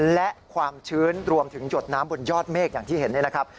และความชื้นรวมถึงหยดน้ำบนยอดเมฆอย่างที่เห็นนี่นะครับ